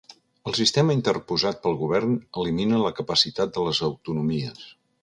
El sistema interposat pel govern elimina la capacitat de les autonomies.